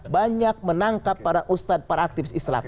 banyak menangkap para ustadz para aktivis islam